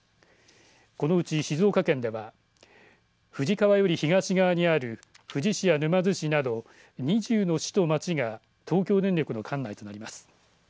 このうち静岡県では富士川より東側にある富士市や沼津市など２０の市と町が東京電力の管内となります。